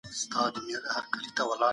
د تخلیقي ادب شننه د هر چا توان نه دئ.